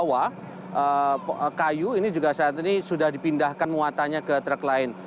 bahwa kayu ini juga saat ini sudah dipindahkan muatannya ke truk lain